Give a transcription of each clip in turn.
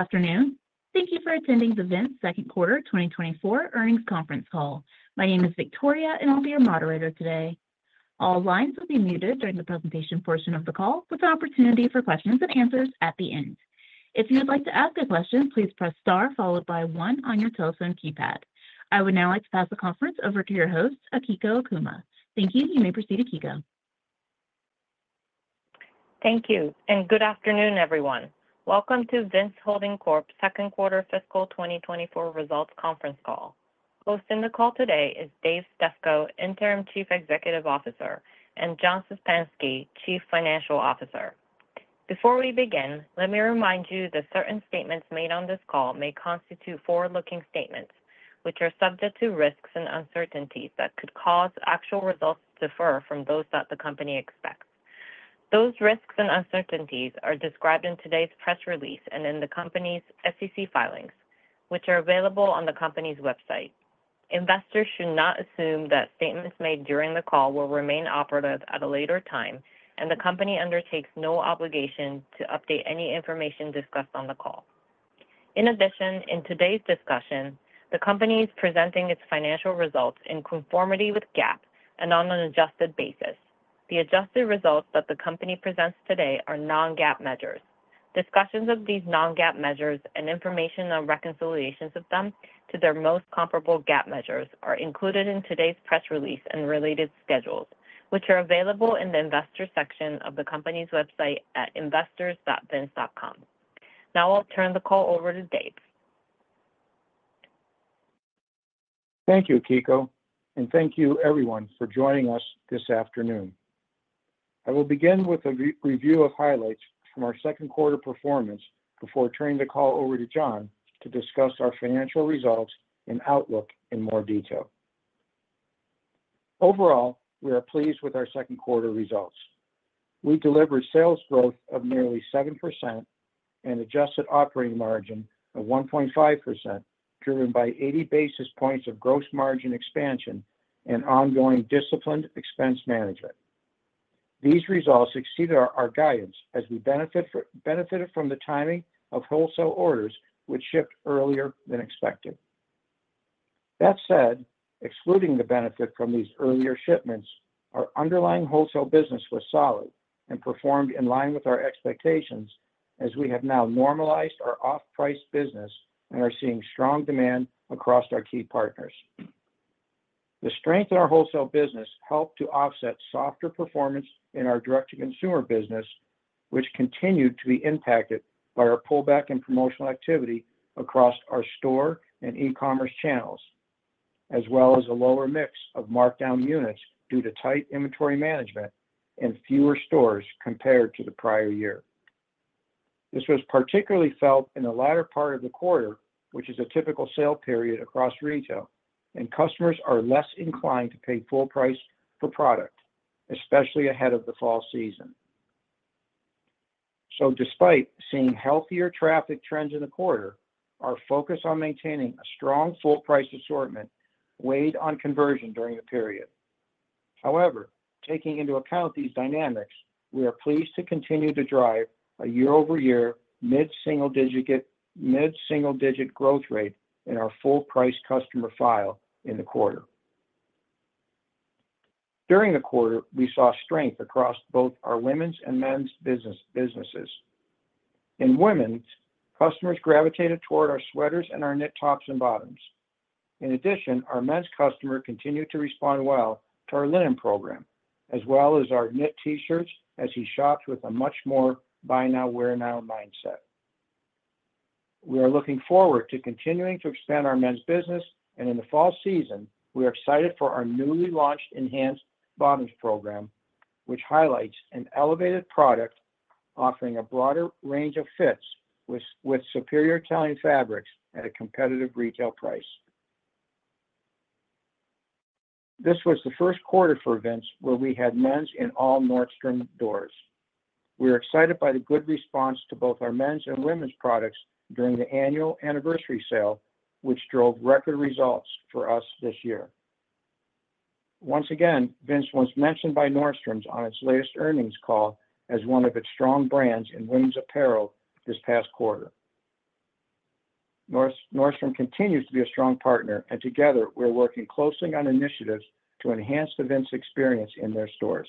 Good afternoon. Thank you for attending the Vince Second Quarter 2024 Earnings Conference Call. My name is Victoria, and I'll be your moderator today. All lines will be muted during the presentation portion of the call, with an opportunity for questions and answers at the end. If you would like to ask a question, please press star followed by one on your telephone keypad. I would now like to pass the conference over to your host, Akiko Okuma. Thank you. You may proceed, Akiko. Thank you, and good afternoon, everyone. Welcome to Vince Holding Corp's second quarter fiscal twenty twenty-four results conference call. Hosting the call today is Dave Stefko, Interim Chief Executive Officer, and John Sapanski, Chief Financial Officer. Before we begin, let me remind you that certain statements made on this call may constitute forward-looking statements, which are subject to risks and uncertainties that could cause actual results to differ from those that the company expects. Those risks and uncertainties are described in today's press release and in the company's SEC filings, which are available on the company's website. Investors should not assume that statements made during the call will remain operative at a later time, and the company undertakes no obligation to update any information discussed on the call. In addition, in today's discussion, the company is presenting its financial results in conformity with GAAP and on an adjusted basis. The adjusted results that the company presents today are non-GAAP measures. Discussions of these non-GAAP measures and information on reconciliations of them to their most comparable GAAP measures are included in today's press release and related schedules, which are available in the Investors section of the company's website at investors.vince.com. Now I'll turn the call over to Dave. Thank you, Akiko, and thank you everyone for joining us this afternoon. I will begin with a re-review of highlights from our second quarter performance before turning the call over to John to discuss our financial results and outlook in more detail. Overall, we are pleased with our second quarter results. We delivered sales growth of nearly 7% and adjusted operating margin of 1.5%, driven by 80 basis points of gross margin expansion and ongoing disciplined expense management. These results exceeded our guidance as we benefited from the timing of wholesale orders, which shipped earlier than expected. That said, excluding the benefit from these earlier shipments, our underlying wholesale business was solid and performed in line with our expectations as we have now normalized our off-price business and are seeing strong demand across our key partners. The strength in our wholesale business helped to offset softer performance in our direct-to-consumer business, which continued to be impacted by our pullback in promotional activity across our store and e-commerce channels, as well as a lower mix of markdown units due to tight inventory management and fewer stores compared to the prior year. This was particularly felt in the latter part of the quarter, which is a typical sale period across retail, and customers are less inclined to pay full price for product, especially ahead of the fall season. So despite seeing healthier traffic trends in the quarter, our focus on maintaining a strong full price assortment weighed on conversion during the period. However, taking into account these dynamics, we are pleased to continue to drive a year-over-year mid-single digit, mid-single-digit growth rate in our full-price customer file in the quarter. During the quarter, we saw strength across both our women's and men's businesses. In women's, customers gravitated toward our sweaters and our knit tops and bottoms. In addition, our men's customer continued to respond well to our linen program, as well as our knit T-shirts, as he shopped with a much more "buy now, wear now" mindset. We are looking forward to continuing to expand our men's business, and in the fall season, we are excited for our newly launched enhanced bottoms program, which highlights an elevated product offering a broader range of fits with superior Italian fabrics at a competitive retail price. This was the first quarter for Vince where we had men's in all Nordstrom stores. We are excited by the good response to both our men's and women's products during the annual anniversary sale, which drove record results for us this year. Once again, Vince was mentioned by Nordstrom on its latest earnings call as one of its strong brands in women's apparel this past quarter. Nordstrom continues to be a strong partner, and together, we're working closely on initiatives to enhance the Vince experience in their stores.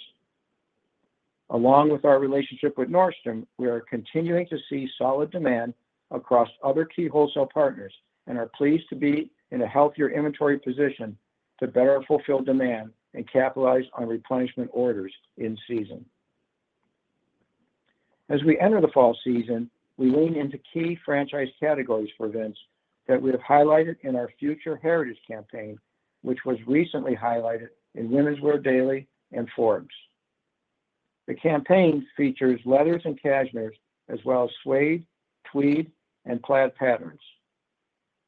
Along with our relationship with Nordstrom, we are continuing to see solid demand across other key wholesale partners and are pleased to be in a healthier inventory position to better fulfill demand and capitalize on replenishment orders in season. As we enter the fall season, we lean into key franchise categories for Vince that we have highlighted in our Future Heritage campaign, which was recently highlighted in Women's Wear Daily and Forbes. The campaign features leathers and cashmeres, as well as suede, tweed, and plaid patterns.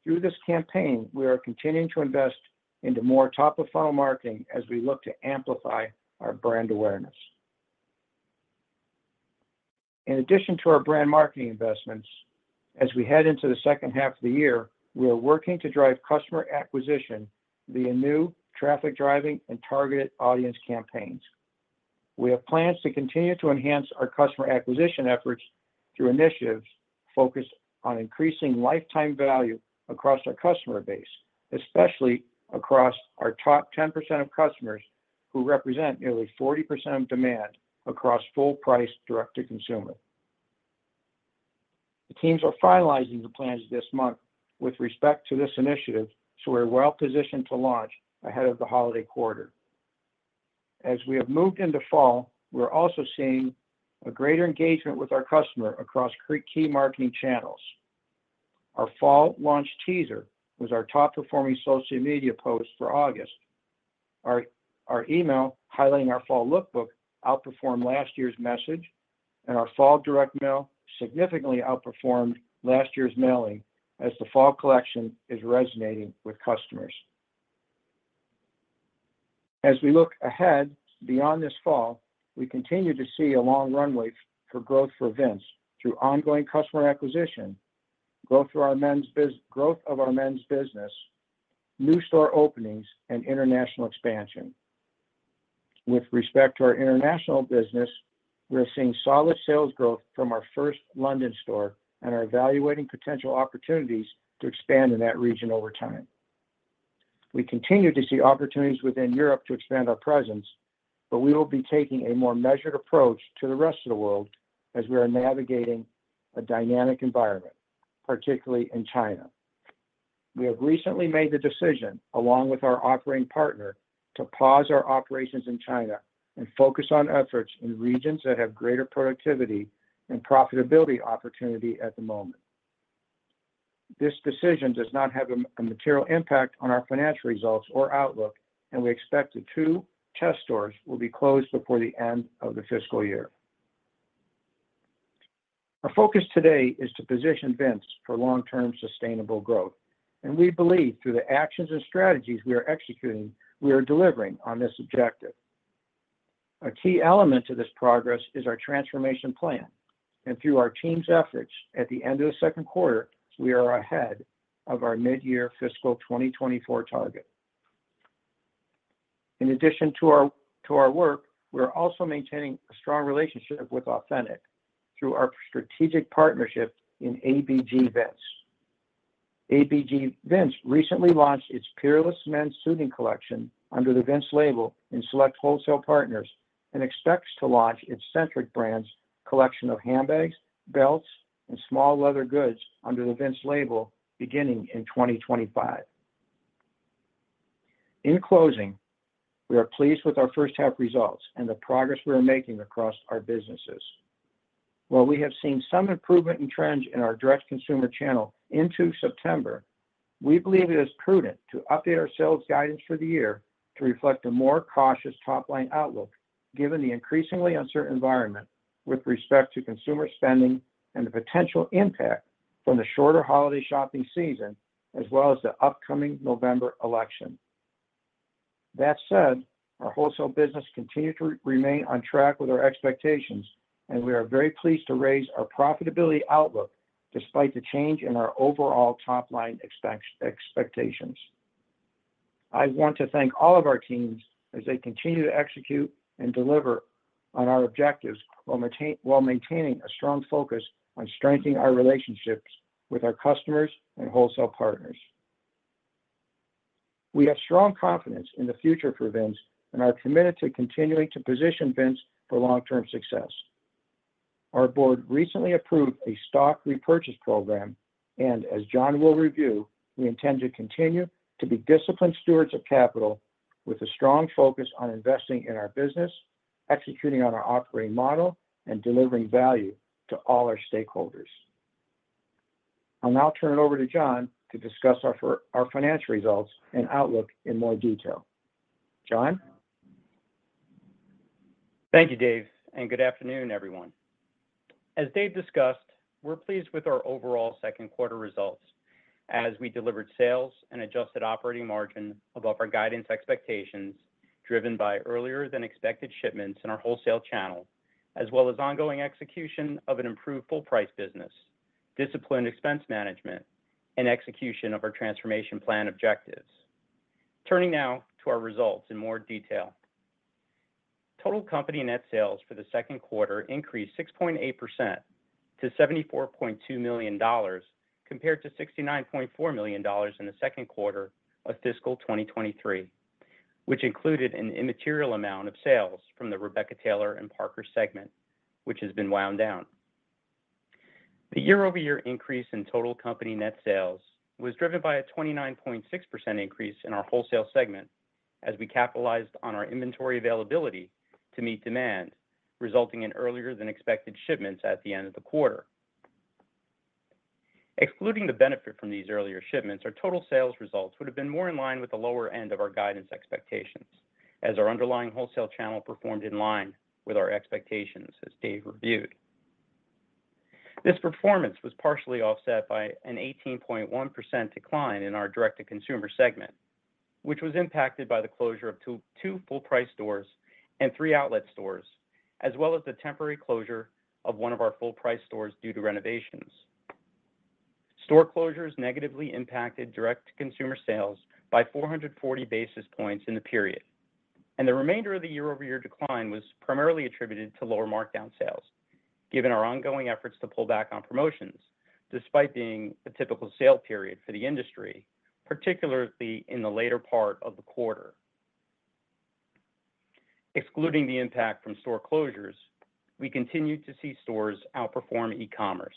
Through this campaign, we are continuing to invest into more top-of-funnel marketing as we look to amplify our brand awareness. In addition to our brand marketing investments, as we head into the second half of the year, we are working to drive customer acquisition via new traffic-driving and targeted audience campaigns. We have plans to continue to enhance our customer acquisition efforts through initiatives focused on increasing lifetime value across our customer base, especially across our top 10% of customers, who represent nearly 40% of demand across full price direct-to-consumer. The teams are finalizing the plans this month with respect to this initiative, so we're well positioned to launch ahead of the holiday quarter. As we have moved into fall, we're also seeing a greater engagement with our customer across key marketing channels. Our fall launch teaser was our top-performing social media post for August. Our email, highlighting our fall lookbook, outperformed last year's message, and our fall direct mail significantly outperformed last year's mailing as the fall collection is resonating with customers. As we look ahead beyond this fall, we continue to see a long runway for growth for Vince through ongoing customer acquisition, growth through our men's business, new store openings, and international expansion. With respect to our international business, we are seeing solid sales growth from our first London store and are evaluating potential opportunities to expand in that region over time. We continue to see opportunities within Europe to expand our presence, but we will be taking a more measured approach to the rest of the world as we are navigating a dynamic environment, particularly in China. We have recently made the decision, along with our operating partner, to pause our operations in China and focus on efforts in regions that have greater productivity and profitability opportunity at the moment. This decision does not have a material impact on our financial results or outlook, and we expect the two test stores will be closed before the end of the fiscal year. Our focus today is to position Vince for long-term sustainable growth, and we believe through the actions and strategies we are executing, we are delivering on this objective. A key element to this progress is our transformation plan, and through our team's efforts, at the end of the second quarter, we are ahead of our mid-year fiscal 2024 target. In addition to our work, we're also maintaining a strong relationship with Authentic through our strategic partnership in ABG Vince. ABG Vince recently launched its Peerless men's suiting collection under the Vince label in select wholesale partners and expects to launch its Centric Brands collection of handbags, belts, and small leather goods under the Vince label beginning in 2025. In closing, we are pleased with our first half results and the progress we are making across our businesses. While we have seen some improvement in trends in our direct-to-consumer channel into September, we believe it is prudent to update our sales guidance for the year to reflect a more cautious top-line outlook, given the increasingly uncertain environment with respect to consumer spending and the potential impact from the shorter holiday shopping season, as well as the upcoming November election. That said, our wholesale business continue to remain on track with our expectations, and we are very pleased to raise our profitability outlook despite the change in our overall top-line expectations. I want to thank all of our teams as they continue to execute and deliver on our objectives while maintaining a strong focus on strengthening our relationships with our customers and wholesale partners. We have strong confidence in the future for Vince and are committed to continuing to position Vince for long-term success. Our board recently approved a stock repurchase program, and as John will review, we intend to continue to be disciplined stewards of capital with a strong focus on investing in our business, executing on our operating model, and delivering value to all our stakeholders. I'll now turn it over to John to discuss our financial results and outlook in more detail. John? Thank you, Dave, and good afternoon, everyone. As Dave discussed, we're pleased with our overall second quarter results as we delivered sales and adjusted operating margin above our guidance expectations, driven by earlier-than-expected shipments in our wholesale channel, as well as ongoing execution of an improved full price business, disciplined expense management, and execution of our transformation plan objectives. Turning now to our results in more detail. Total company net sales for the second quarter increased 6.8% to $74.2 million, compared to $69.4 million in the second quarter of fiscal 2023, which included an immaterial amount of sales from the Rebecca Taylor and Parker segment, which has been wound down. The year-over-year increase in total company net sales was driven by a 29.6% increase in our wholesale segment as we capitalized on our inventory availability to meet demand, resulting in earlier-than-expected shipments at the end of the quarter. Excluding the benefit from these earlier shipments, our total sales results would have been more in line with the lower end of our guidance expectations as our underlying wholesale channel performed in line with our expectations, as Dave reviewed. This performance was partially offset by an 18.1% decline in our direct-to-consumer segment, which was impacted by the closure of two full price stores and three outlet stores, as well as the temporary closure of one of our full price stores due to renovations. Store closures negatively impacted direct-to-consumer sales by 440 basis points in the period, and the remainder of the year-over-year decline was primarily attributed to lower markdown sales, given our ongoing efforts to pull back on promotions, despite being a typical sale period for the industry, particularly in the later part of the quarter. Excluding the impact from store closures, we continued to see stores outperform e-commerce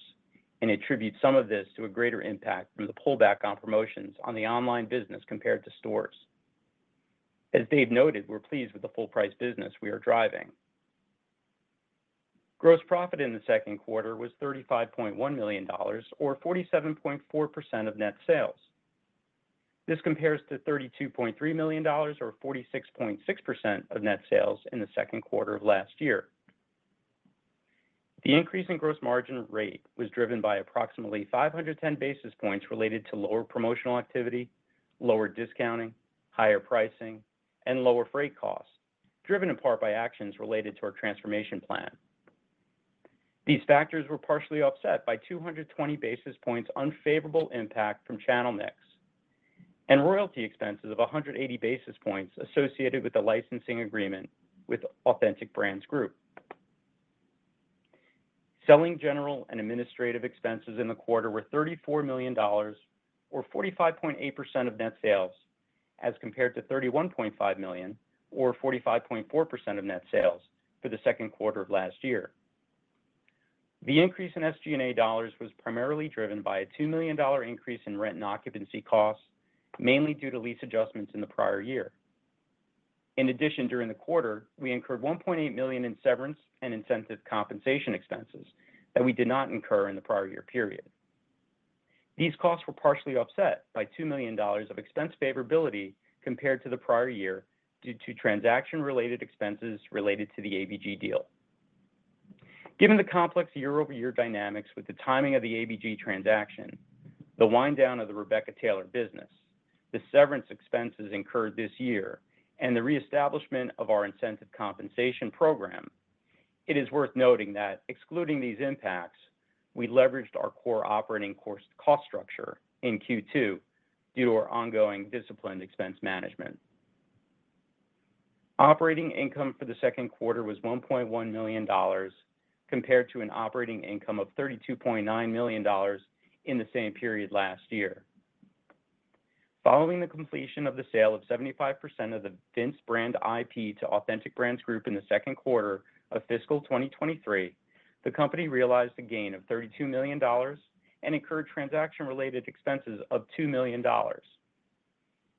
and attribute some of this to a greater impact from the pullback on promotions on the online business compared to stores. As Dave noted, we're pleased with the full price business we are driving. Gross profit in the second quarter was $35.1 million, or 47.4% of net sales. This compares to $32.3 million, or 46.6% of net sales in the second quarter of last year. The increase in gross margin rate was driven by approximately 510 basis points related to lower promotional activity, lower discounting, higher pricing, and lower freight costs, driven in part by actions related to our transformation plan. These factors were partially offset by 220 basis points unfavorable impact from channel mix and royalty expenses of 180 basis points associated with the licensing agreement with Authentic Brands Group. Selling general and administrative expenses in the quarter were $34 million, or 45.8% of net sales, as compared to $31.5 million or 45.4% of net sales for the second quarter of last year. The increase in SG&A dollars was primarily driven by a $2 million increase in rent and occupancy costs, mainly due to lease adjustments in the prior year. In addition, during the quarter, we incurred $1.8 million in severance and incentive compensation expenses that we did not incur in the prior year period. These costs were partially offset by $2 million of expense favorability compared to the prior year, due to transaction-related expenses related to the ABG deal. Given the complex year-over-year dynamics with the timing of the ABG transaction, the wind down of the Rebecca Taylor business, the severance expenses incurred this year, and the reestablishment of our incentive compensation program, it is worth noting that excluding these impacts, we leveraged our core operating cost structure in Q2 due to our ongoing disciplined expense management. Operating income for the second quarter was $1.1 million, compared to an operating income of $32.9 million in the same period last year. Following the completion of the sale of 75% of the Vince brand IP to Authentic Brands Group in the second quarter of fiscal 2023, the company realized a gain of $32 million and incurred transaction-related expenses of $2 million.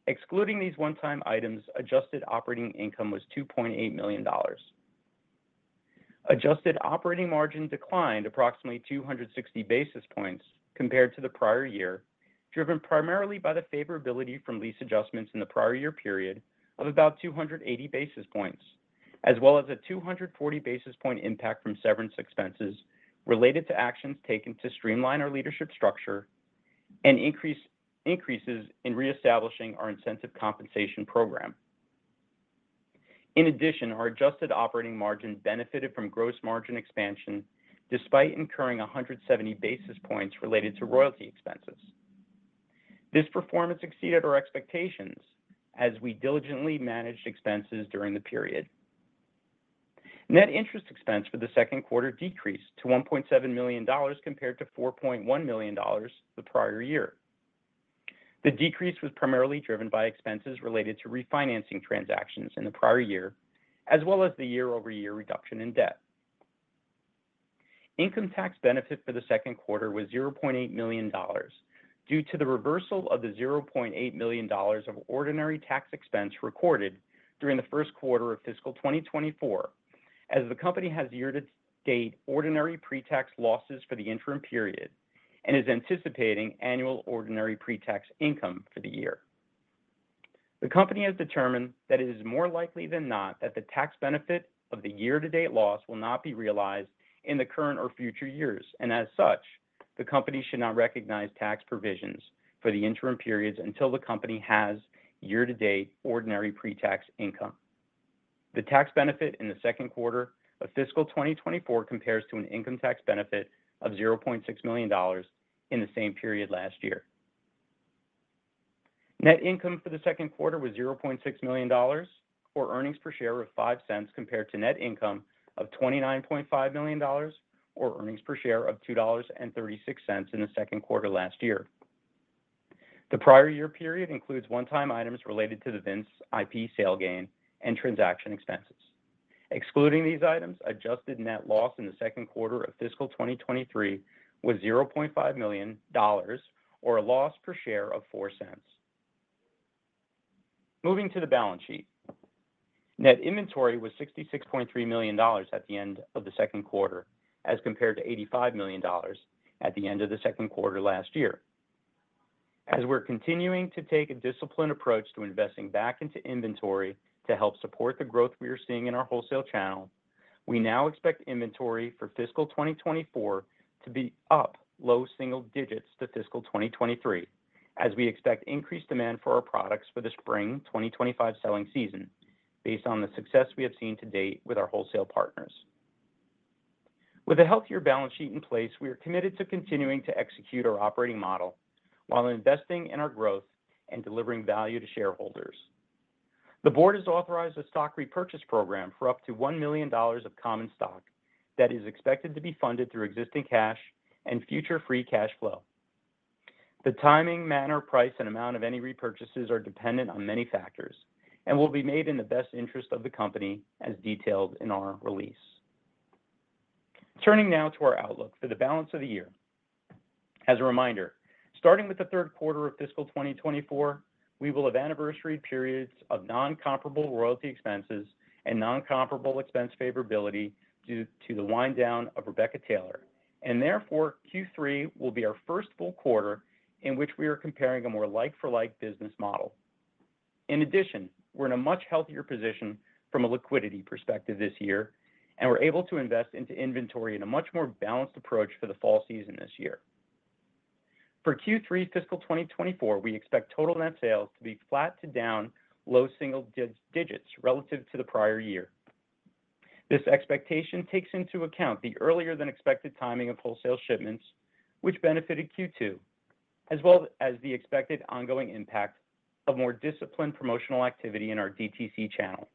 Excluding these one-time items, adjusted operating income was $2.8 million. Adjusted operating margin declined approximately 260 basis points compared to the prior year, driven primarily by the favorability from lease adjustments in the prior year period of about 280 basis points, as well as a 240 basis point impact from severance expenses related to actions taken to streamline our leadership structure and increases in reestablishing our incentive compensation program. In addition, our adjusted operating margin benefited from gross margin expansion, despite incurring 170 basis points related to royalty expenses. This performance exceeded our expectations as we diligently managed expenses during the period. Net interest expense for the second quarter decreased to $1.7 million, compared to $4.1 million the prior year. The decrease was primarily driven by expenses related to refinancing transactions in the prior year, as well as the year-over-year reduction in debt. Income tax benefit for the second quarter was $0.8 million, due to the reversal of the $0.8 million of ordinary tax expense recorded during the first quarter of fiscal 2024, as the company has year-to-date ordinary pre-tax losses for the interim period and is anticipating annual ordinary pre-tax income for the year. The company has determined that it is more likely than not, that the tax benefit of the year-to-date loss will not be realized in the current or future years, and as such, the company should not recognize tax provisions for the interim periods until the company has year-to-date ordinary pre-tax income. The tax benefit in the second quarter of fiscal 2024 compares to an income tax benefit of $0.6 million in the same period last year. Net income for the second quarter was $0.6 million, or earnings per share of $0.05, compared to net income of $29.5 million, or earnings per share of $2.36 in the second quarter last year. The prior year period includes one-time items related to the Vince IP sale gain and transaction expenses. Excluding these items, adjusted net loss in the second quarter of fiscal 2023 was $0.5 million, or a loss per share of $0.04. Moving to the balance sheet. Net inventory was $66.3 million at the end of the second quarter, as compared to $85 million at the end of the second quarter last year. As we're continuing to take a disciplined approach to investing back into inventory to help support the growth we are seeing in our wholesale channel, we now expect inventory for fiscal 2024 to be up low single digits to fiscal 2023, as we expect increased demand for our products for the spring 2025 selling season, based on the success we have seen to date with our wholesale partners. With a healthier balance sheet in place, we are committed to continuing to execute our operating model, while investing in our growth and delivering value to shareholders. The board has authorized a stock repurchase program for up to $1 million of common stock that is expected to be funded through existing cash and future free cash flow. The timing, manner, price, and amount of any repurchases are dependent on many factors and will be made in the best interest of the company, as detailed in our release. Turning now to our outlook for the balance of the year. As a reminder, starting with the third quarter of fiscal 2024, we will have anniversary periods of non-comparable royalty expenses and non-comparable expense favorability due to the wind down of Rebecca Taylor, and therefore, Q3 will be our first full quarter in which we are comparing a more like-for-like business model. In addition, we're in a much healthier position from a liquidity perspective this year, and we're able to invest into inventory in a much more balanced approach for the fall season this year. For Q3 fiscal 2024, we expect total net sales to be flat to down low single digits relative to the prior year. This expectation takes into account the earlier than expected timing of wholesale shipments, which benefited Q2, as well as the expected ongoing impact of more disciplined promotional activity in our DTC channel.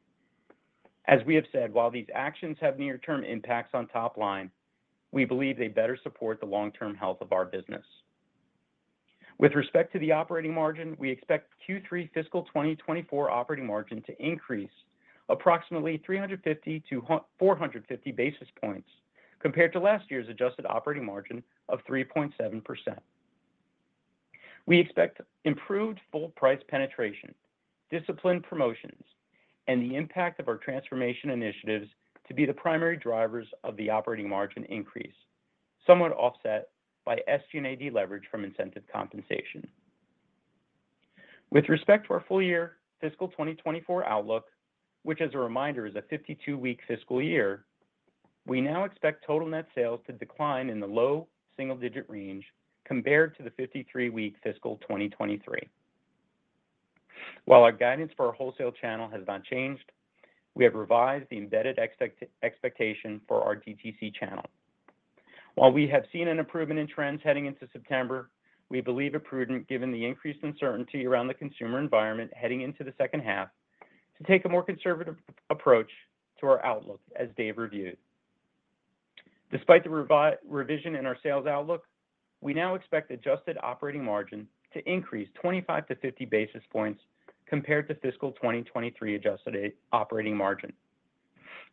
As we have said, while these actions have near-term impacts on top line, we believe they better support the long-term health of our business. With respect to the operating margin, we expect Q3 fiscal 2024 operating margin to increase approximately 350-450 basis points compared to last year's adjusted operating margin of 3.7%. We expect improved full price penetration, disciplined promotions, and the impact of our transformation initiatives to be the primary drivers of the operating margin increase, somewhat offset by SG&A leverage from incentive compensation. With respect to our full year fiscal 2024 outlook, which as a reminder, is a 52-week fiscal year, we now expect total net sales to decline in the low single-digit range compared to the 53-week fiscal 2023. While our guidance for our wholesale channel has not changed, we have revised the embedded expectation for our DTC channel. While we have seen an improvement in trends heading into September, we believe it prudent, given the increased uncertainty around the consumer environment heading into the second half, to take a more conservative approach to our outlook, as Dave reviewed. Despite the revision in our sales outlook, we now expect adjusted operating margin to increase 25-50 basis points compared to fiscal 2023 adjusted operating margin.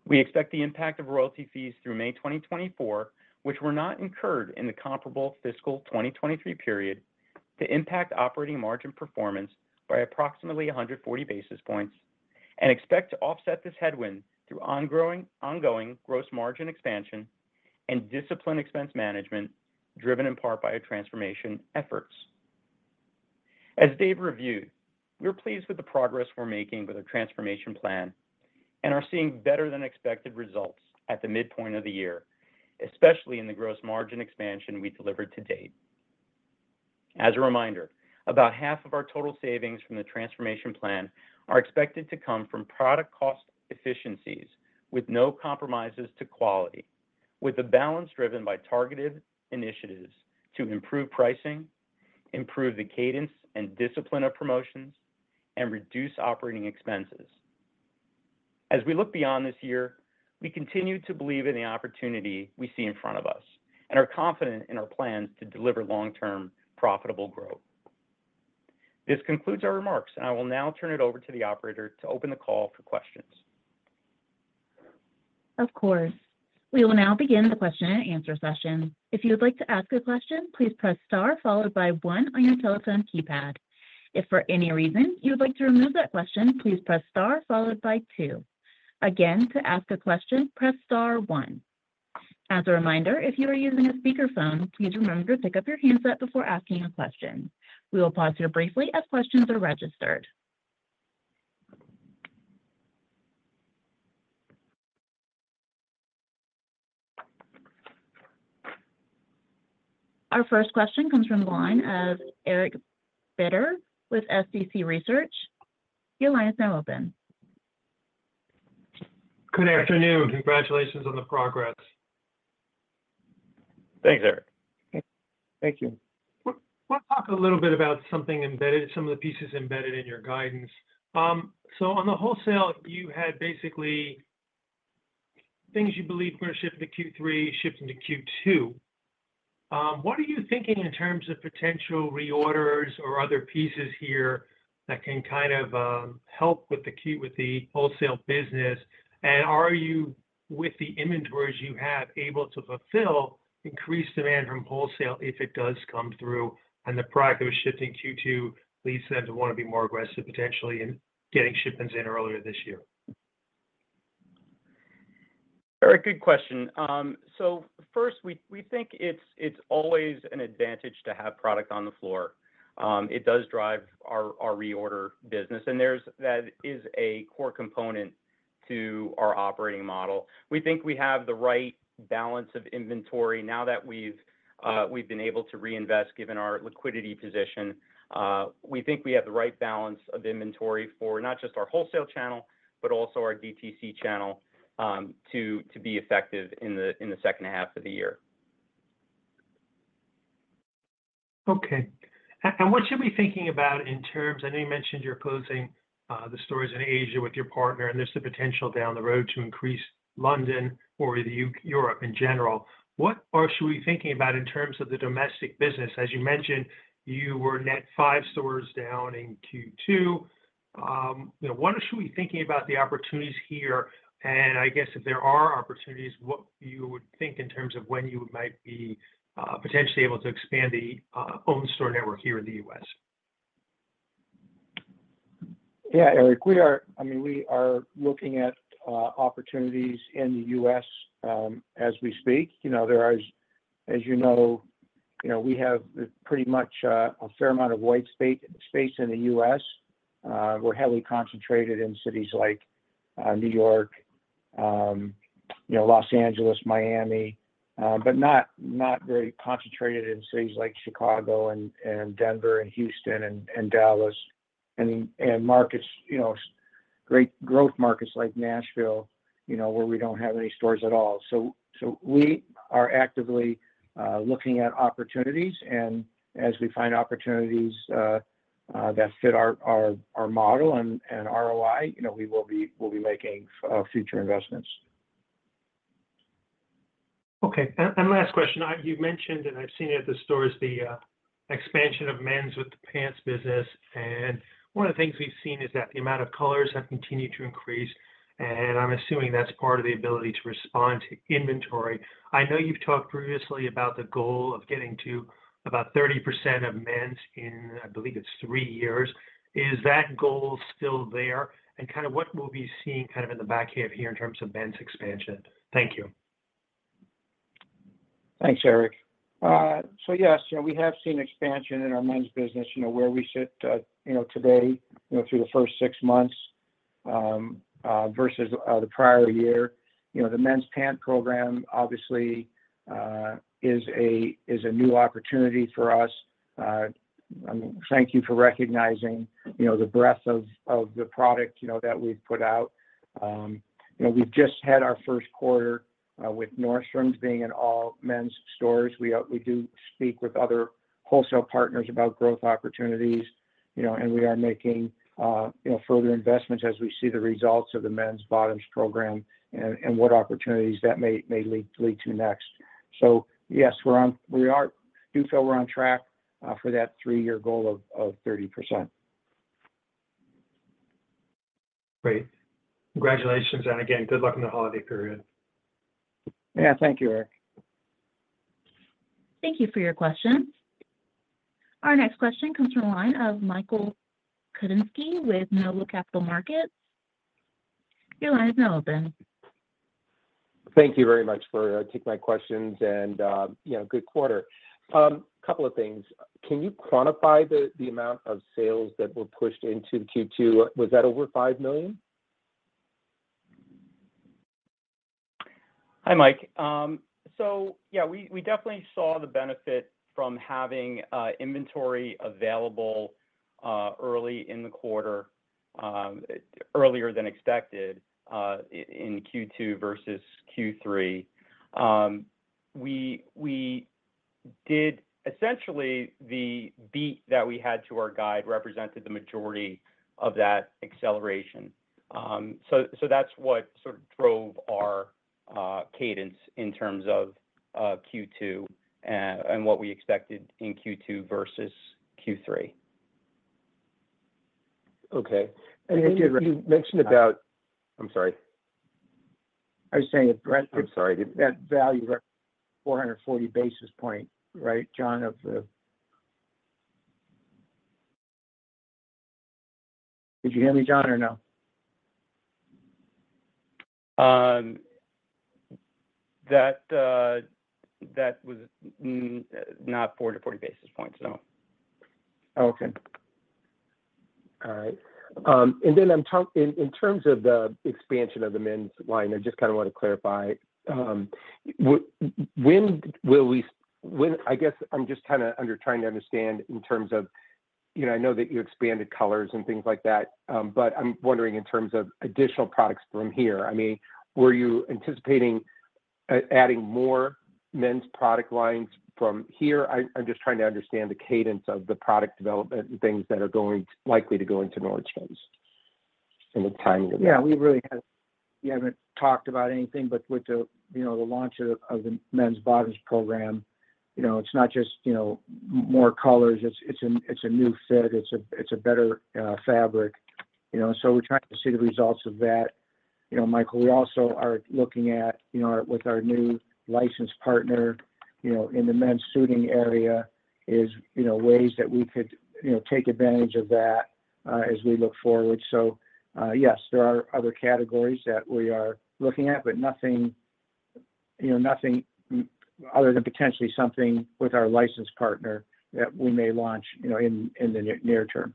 We expect the impact of royalty fees through May 2024, which were not incurred in the comparable fiscal 2023 period, to impact operating margin performance by approximately 140 basis points, and expect to offset this headwind through ongoing gross margin expansion and disciplined expense management, driven in part by our transformation efforts. As Dave reviewed, we're pleased with the progress we're making with our transformation plan and are seeing better than expected results at the midpoint of the year, especially in the gross margin expansion we delivered to date. As a reminder, about half of our total savings from the transformation plan are expected to come from product cost efficiencies with no compromises to quality, with the balance driven by targeted initiatives to improve pricing, improve the cadence and discipline of promotions, and reduce operating expenses. As we look beyond this year, we continue to believe in the opportunity we see in front of us and are confident in our plans to deliver long-term profitable growth. This concludes our remarks, and I will now turn it over to the operator to open the call for questions. Of course. We will now begin the question and answer session. If you would like to ask a question, please press star, followed by one on your telephone keypad. If for any reason you would like to remove that question, please press star followed by two. Again, to ask a question, press star one. As a reminder, if you are using a speakerphone, please remember to pick up your handset before asking a question. We will pause here briefly as questions are registered. Our first question comes from the line of Eric Beder with SCC Research. Your line is now open. Good afternoon. Congratulations on the progress. Thanks, Eric. Thank you. Wanna talk a little bit about something embedded, some of the pieces embedded in your guidance. So on the wholesale, you had basically things you believe were going to shift to Q3, shifting to Q2. What are you thinking in terms of potential reorders or other pieces here that can kind of help with the wholesale business? And are you, with the inventories you have, able to fulfill increased demand from wholesale if it does come through, and the product that was shipped in Q2 leads them to want to be more aggressive, potentially in getting shipments in earlier this year? Very good question. So first, we think it's always an advantage to have product on the floor. It does drive our reorder business, and that is a core component to our operating model. We think we have the right balance of inventory now that we've been able to reinvest, given our liquidity position. We think we have the right balance of inventory for not just our wholesale channel, but also our DTC channel, to be effective in the second half of the year.... Okay. And what should we thinking about in terms, I know you mentioned you're closing the stores in Asia with your partner, and there's the potential down the road to increase London or the Europe in general. What are should we thinking about in terms of the domestic business? As you mentioned, you were net five stores down in Q2. You know, what are should we thinking about the opportunities here? And I guess if there are opportunities, what you would think in terms of when you might be potentially able to expand the own store network here in the U.S.? Yeah, Eric, we are—I mean, we are looking at opportunities in the U.S., as we speak. You know, there are, as you know, you know, we have pretty much a fair amount of white space in the U.S. We're heavily concentrated in cities like New York, you know, Los Angeles, Miami, but not very concentrated in cities like Chicago, and Denver, and Houston, and Dallas, and markets, you know, great growth markets like Nashville, you know, where we don't have any stores at all. So we are actively looking at opportunities, and as we find opportunities that fit our model and ROI, you know, we will be—we'll be making future investments. Okay. And last question. You've mentioned, and I've seen it at the stores, the expansion of men's with the pants business, and one of the things we've seen is that the amount of colors have continued to increase, and I'm assuming that's part of the ability to respond to inventory. I know you've talked previously about the goal of getting to about 30% of men's in, I believe it's three years. Is that goal still there? And kind of what we'll be seeing kind of in the back half here in terms of men's expansion. Thank you. Thanks, Eric, so yes, you know, we have seen expansion in our men's business, you know, where we sit, you know, today, you know, through the first six months versus the prior year. You know, the men's pants program obviously is a new opportunity for us. I mean, thank you for recognizing, you know, the breadth of the product, you know, that we've put out. You know, we've just had our first quarter with Nordstrom being in all men's stores. We do speak with other wholesale partners about growth opportunities, you know, and we are making, you know, further investments as we see the results of the men's bottoms program and what opportunities that may lead to next. Yes, we do feel we're on track for that three-year goal of 30%. Great. Congratulations, and again, good luck in the holiday period. Yeah, thank you, Eric. Thank you for your question. Our next question comes from the line of Michael Kupinski with Noble Capital Markets. Your line is now open. Thank you very much for taking my questions, and, you know, good quarter. Couple of things. Can you quantify the amount of sales that were pushed into the Q2? Was that over $5 million? Hi, Mike. So yeah, we, we definitely saw the benefit from having, inventory available, early in the quarter, earlier than expected, in Q2 versus Q3. We, we did essentially, the beat that we had to our guide represented the majority of that acceleration. So, so that's what sort of drove our, cadence in terms of, Q2, and what we expected in Q2 versus Q3. Okay. And you- You mentioned about- I'm sorry. I was saying that- I'm sorry, did- That value were 440 basis points, right, John, of the... Did you hear me, John, or no? That was not 440 basis points, no. Okay. All right. And then I'm talking in terms of the expansion of the men's line. I just kind of want to clarify, when will we, when, I guess, I'm just trying to understand in terms of. You know, I know that you expanded colors and things like that, but I'm wondering in terms of additional products from here. I mean, were you anticipating adding more men's product lines from here? I'm just trying to understand the cadence of the product development and things that are going, likely to go into Nordstrom in the time that- Yeah, we really haven't talked about anything, but with the launch of the men's bottoms program, you know, it's not just more colors, it's a new fit, it's a better fabric, you know. So we're trying to see the results of that. You know, Michael, we also are looking at, with our new license partner, you know, in the men's suiting area, ways that we could take advantage of that, as we look forward. So, yes, there are other categories that we are looking at, but nothing other than potentially something with our license partner that we may launch, you know, in the near term.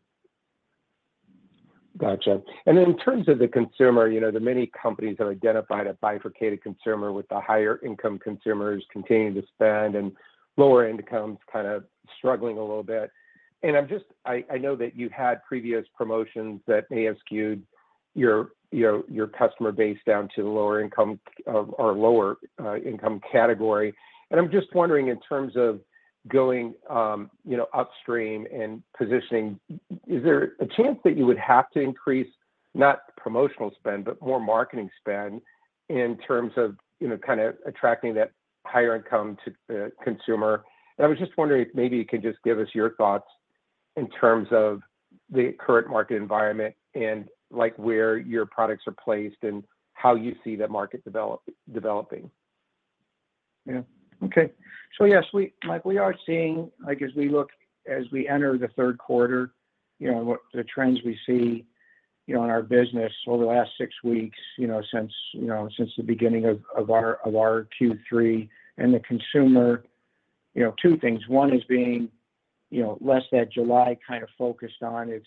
Gotcha. And then in terms of the consumer, you know, the many companies have identified a bifurcated consumer with the higher income consumers continuing to spend and lower incomes kind of struggling a little bit. And I'm just, I know that you've had previous promotions that may have skewed your customer base down to the lower income or lower income category. And I'm just wondering, in terms of going, you know, upstream and positioning, is there a chance that you would have to increase, not promotional spend, but more marketing spend in terms of, you know, kinda attracting that higher income to consumer? And I was just wondering if maybe you could just give us your thoughts in terms of the current market environment, and, like, where your products are placed, and how you see that market developing. Yeah. Okay. So yes, we, like we are seeing, like, as we look, as we enter the third quarter, you know, what the trends we see, you know, in our business over the last six weeks, you know, since, you know, since the beginning of our Q3. And the consumer, you know, two things: One is being, you know, less that July kind of focused on its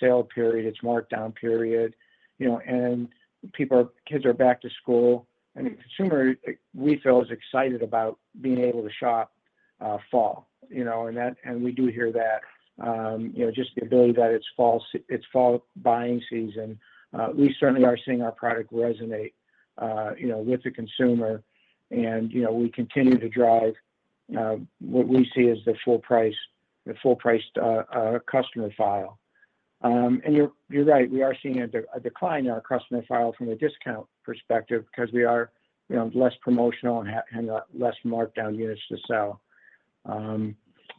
sale period, its markdown period, you know, and people are kids are back to school, and the consumer, we feel is excited about being able to shop fall, you know, and that, and we do hear that. You know, just the ability that it's fall it's fall buying season. We certainly are seeing our product resonate, you know, with the consumer. You know, we continue to drive what we see as the full price, the full-priced customer file. And you're right, we are seeing a decline in our customer file from a discount perspective, 'cause we are, you know, less promotional and less markdown units to sell.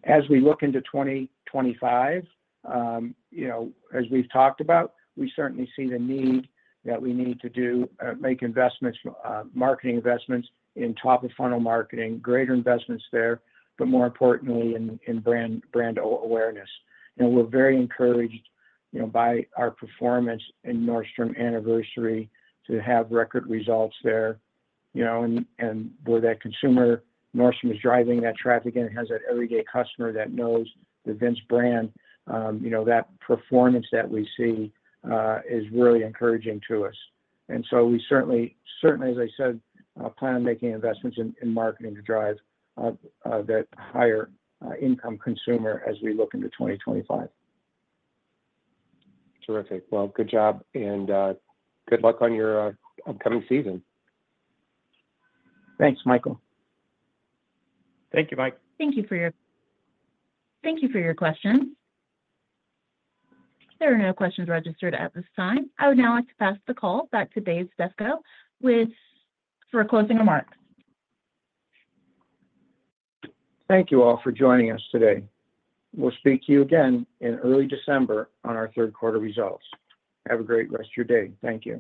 As we look into 2025, you know, as we've talked about, we certainly see the need that we need to do make investments, marketing investments, in top-of-funnel marketing, greater investments there, but more importantly, in brand awareness. We're very encouraged, you know, by our performance in Nordstrom Anniversary to have record results there, you know, and where that consumer, Nordstrom, is driving that traffic and it has that everyday customer that knows the Vince brand, you know, that performance that we see is really encouraging to us. And so we certainly, certainly, as I said, plan on making investments in marketing to drive that higher income consumer as we look into 2025. Terrific! Well, good job, and good luck on your upcoming season. Thanks, Michael. Thank you, Mike. Thank you for your questions. There are no questions registered at this time. I would now like to pass the call back to Dave Stefko for closing remarks. Thank you all for joining us today. We'll speak to you again in early December on our third quarter results. Have a great rest of your day. Thank you.